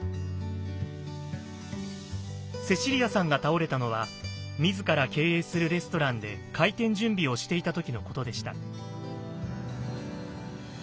セシリアさんが倒れたのは自ら経営するレストランで開店準備をしていた時のことでした。